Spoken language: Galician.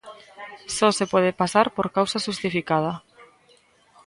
Só se pode pasar por causa xustificada.